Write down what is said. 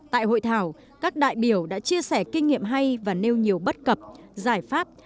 tại hội thảo các đại biểu đã chia sẻ kinh nghiệm hay và nêu nhiều bất cập giải pháp